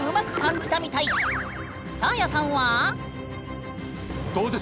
サーヤさんは？うわ。